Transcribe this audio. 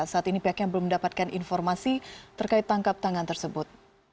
saat ini pihaknya belum mendapatkan informasi terkait tangkap tangan tersebut